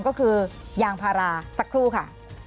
ก็คือยางพาราสักครู่ค่ะ